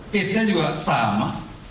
pesnya juga sama